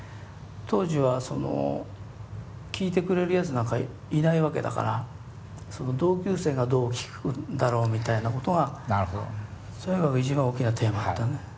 当時はその聴いてくれるやつなんかいないわけだからその同級生がどう聴くんだろうみたいなことがそれが一番大きなテーマだったね。